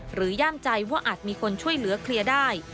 ย่ามใจว่าอาจมีคนช่วยเหลือเคลียร์ได้